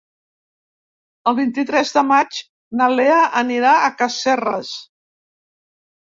El vint-i-tres de maig na Lea anirà a Casserres.